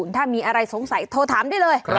ถ้ามีอะไรสงสัยโทรถามได้เลย